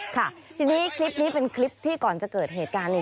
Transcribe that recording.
ค่ะทีนี้คลิปนี้เป็นคลิปที่ก่อนจะเกิดเหตุการณ์เนี่ย